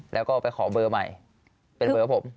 แล้วก็ไปขอเบอร์ใหม่เป็นเบอร์ผม